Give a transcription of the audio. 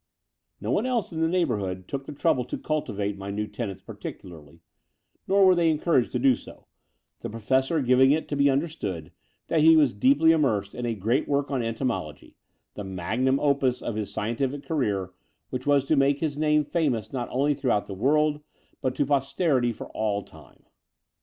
No one else in the neighbourhood took the trouble to cultivate my new tenants particularly ; nor were they encouraged to do so, the Professor giving it to be understood that he was deeply immersed in a great work on entomology, the magnum opus of his scientific career, which was to make his name famous not only throughout the world, but to posterity for all time.